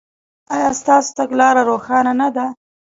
ایا ستاسو تګلاره روښانه نه ده؟